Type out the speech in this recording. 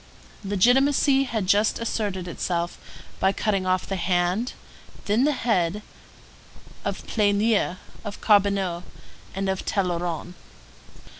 Legitimacy had just asserted itself by cutting off the hand, then the head, of Pleignier, of Carbonneau, and of Tolleron.